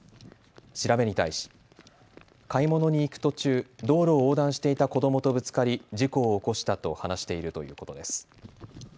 調べに対し買い物に行く途中、道路を横断していた子どもとぶつかり事故を起こしたと話しているということです。